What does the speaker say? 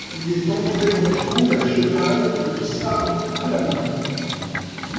Il est entré dans Toul, à cheval et le sabre à la main.